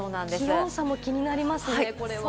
気温差も気になりますね。